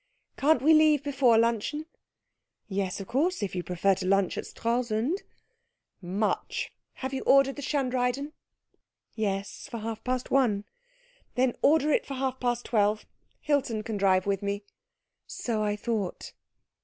"Can't we leave before luncheon?" "Yes, of course, if you prefer to lunch at Stralsund." "Much. Have you ordered the shandrydan?" "Yes, for half past one." "Then order it for half past twelve. Hilton can drive with me." "So I thought."